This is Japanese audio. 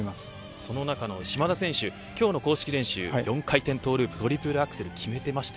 その中の島田選手、今日の公式練習、４回転トゥループトリプルアクセルを決めていました。